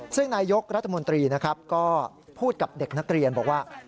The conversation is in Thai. ซึ่งนายกรัฐมนตรีนะครับก็พูดกับเด็กนักเรียนบอกว่า